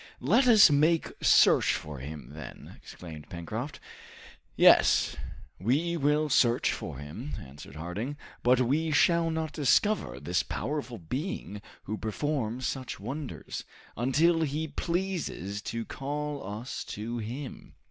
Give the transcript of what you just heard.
"Let us make search for him, then!" exclaimed Pencroft. "Yes, we will search for him," answered Harding, "but we shall not discover this powerful being who performs such wonders, until he pleases to call us to him!"